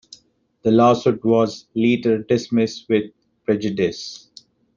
The lawsuit was later dismissed with prejudice.